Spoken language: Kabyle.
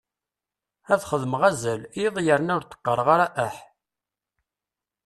Ad xedmeɣ azal iḍ yerna ur d-qqareɣ ara aḥ.